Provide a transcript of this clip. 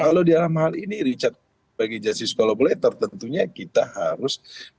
kalau di dalam hal ini richard bagi jastri skolobole tertentunya kita harus mengharuskan